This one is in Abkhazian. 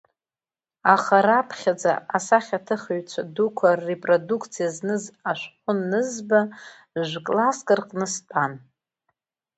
Аха раԥхьаӡа асахьаҭыхыҩцәа дуқәа ррепродукциа зныз ашәҟәы анызба жә-класск рҟны стәан.